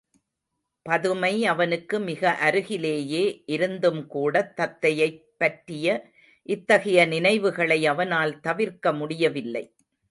பதுமை அவனுக்கு மிக அருகிலேயே இருந்தும்கூடத் தத்தையைப் பற்றிய இத்தகைய நினைவுகளை அவனால் தவிர்க்க முடியவில்லை.